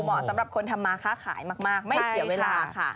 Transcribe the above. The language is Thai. เหมาะสำหรับคนทำมาค้าขายมากไม่เสียเวลาค่ะ